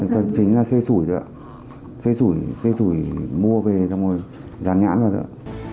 thật chính là xe sủi đó ạ xe sủi mua về trong môi gián nhãn rồi đó ạ